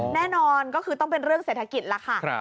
แน่นอนก็คือต้องเป็นเรื่องเศรษฐกิจล่ะค่ะ